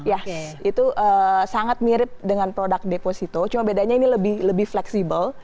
ya itu sangat mirip dengan produk deposito cuma bedanya ini lebih fleksibel